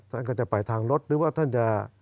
ท่านก็จะไปทางรถหรือว่าท่านจะ